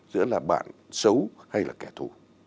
giữa là bạn xấu hay là kẻ thù